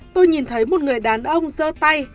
tôi nhìn thấy một người đàn ông dơ tay